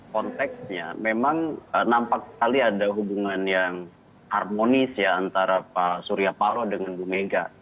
conteksnya memang nampak sekali ada hubungan yang harmonis ya antara pak surya paro dengan bumega